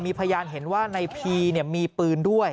มีพยายามเห็นว่านายพีมีปืนด้วย